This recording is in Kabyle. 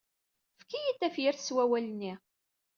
Efk-iyi-d tafyirt s wawal-nni.